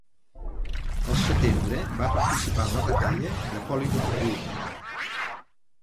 Al setembre va participar en la batalla de Polygon Wood.